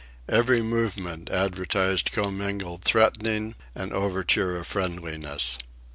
Every movement advertised commingled threatening and overture of friendliness.